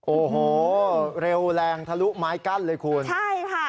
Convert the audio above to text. โอ้โหเร็วแรงทะลุไม้กั้นเลยคุณใช่ค่ะ